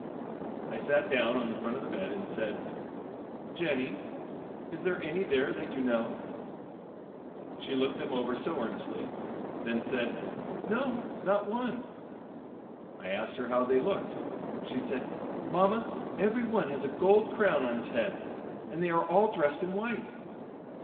I sat down on the front of the bed and said: "Jennie, is there any there that you know?" She looked them over so earnestly, then said: "No, not one." I asked her how they looked. She said: "Mama, every one has a gold crown on its head, and they are all dressed in white."